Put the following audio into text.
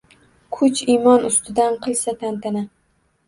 Kuch iymon ustidan qilsa tantana